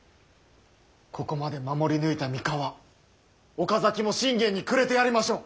ここまで守り抜いた三河岡崎も信玄にくれてやりましょう。